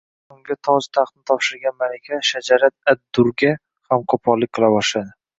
Unga toj-taxtni topshirgan malika Shajarat-ad-Durga ham qo‘pollik qila boshladi